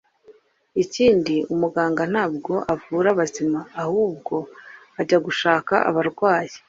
Ikindi umuganga ntabwo avura abazima ahubwo ajya gushaka abarwayi